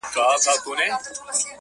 حالاتو دومره محبت کي راگير کړی يمه